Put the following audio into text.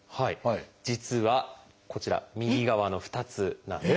実はこちら右側の２つなんです。